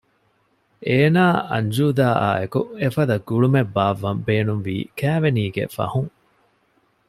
އޭނާ އަންޖޫދާއާއެކު އެފަދަ ގުޅުމެއް ބާއްވަން ބޭނުންވީ ކައިވެނީގެ ފަހުން